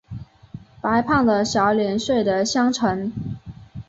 白胖的小脸睡的香沉